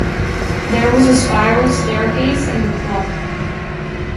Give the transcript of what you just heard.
There was a spiral staircase in the club.